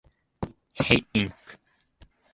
Hate Inc.